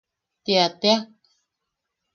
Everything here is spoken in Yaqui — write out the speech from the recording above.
¡Tia tea!